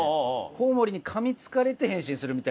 コウモリに噛みつかれて変身するみたいな。